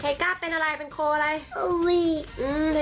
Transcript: แครนไปแกเป็นอะไรเป็นโควิดอะไร